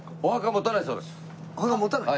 お墓持たない？